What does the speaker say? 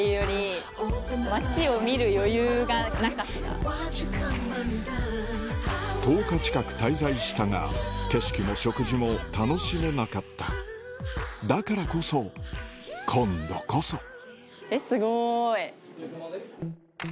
すごい！１０日近く滞在したが景色も食事も楽しめなかっただからこそ今度こそすごい！